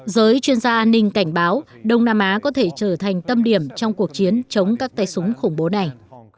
giới chuyên gia an ninh cảnh báo đông nam á có thể trở thành tâm điểm trong cuộc chiến chống các tay súng khủng bố này